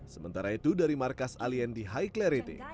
sementara itu dari markas alien di high clarity